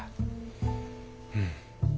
うん。